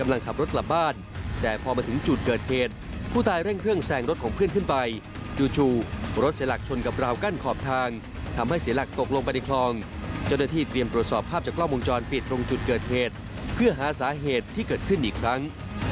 อำเภอโพธารามกำลังขับรถกลับบ้าน